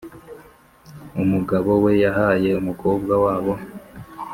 umugabo we yahaye umukobwa wabo.